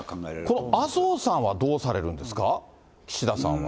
この麻生さんはどうされるんですか、岸田さんは。